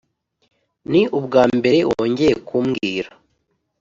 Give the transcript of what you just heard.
ni ubwambere wongeye kumbwira.